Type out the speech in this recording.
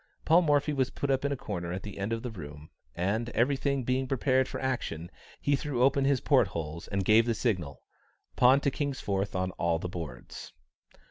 Paul Morphy was put up in a corner at the end of the room, and, every thing being prepared for action, he threw open his portholes and gave the signal, "Pawn to King's Fourth on all the boards."